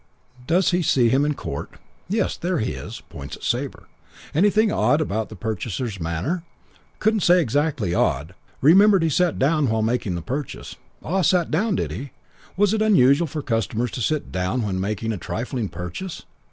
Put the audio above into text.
Does he see him in court? Yes, there he is. Points at Sabre. Anything odd about purchaser's manner? Couldn't say exactly odd. Remembered he sat down while making the purchase. Ah, sat down, did he? Was it usual for customers to sit down when making a trifling purchase?